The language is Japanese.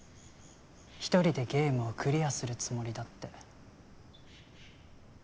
一人でゲームをクリアするつもりだって。